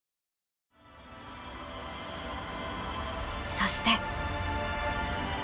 そして。